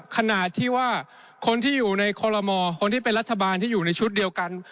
ขนาดที่ว่าคนที่อยู่ในคอลโมคนที่เป็นรัฐบาลที่อยู่ในชุดเดียวกัน